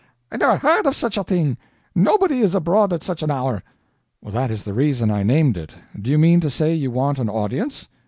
I never heard of such a thing. Nobody is abroad at such an hour." "That is the reason I named it. Do you mean to say you want an audience?"